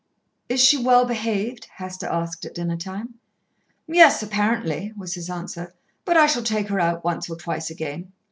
"Is she well behaved?" Hester asked at dinner time. "Yes, apparently," was his answer; "but I shall take her out once or twice again."